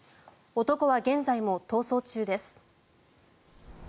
男は現在も逃走中です。